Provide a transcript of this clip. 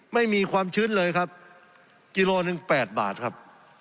ไม่มีความชื้นเลยครับกิโลหนึ่ง๘บาทครับ